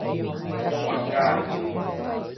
弼街